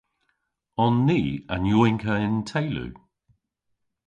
On ni an yowynkka y'n teylu?